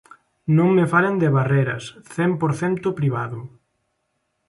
Non me falen de Barreras, cen por cento privado.